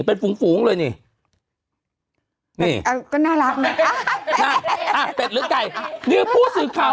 เป็นฝูงฝูงเลยนี่นี่ก็น่ารักนะคะเป็ดหรือไก่นี่ผู้สื่อข่าว